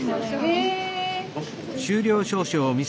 へえ。